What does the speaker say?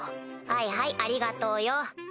はいはいありがとうよ。